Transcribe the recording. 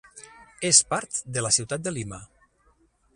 És part de la ciutat de Lima.